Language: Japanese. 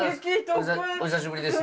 お久しぶりです。